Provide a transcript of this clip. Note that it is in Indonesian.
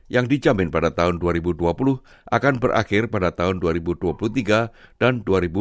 yang dijamin pada tahun dua ribu dua puluh akan berakhir pada tahun dua ribu dua puluh tiga dan dua ribu dua puluh